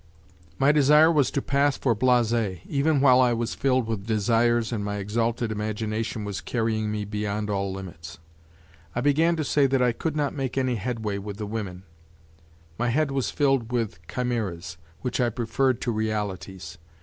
My desire was to pass for blase, even while I was filled with desires and my exalted imagination was carrying me beyond all limits. I began to say that I could not make any headway with the women; my head was filled with chimeras which I preferred to realities.